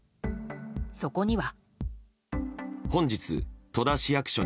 そこには。